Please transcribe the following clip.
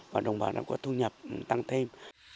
và đồng bào đã có thu nhập tăng thêm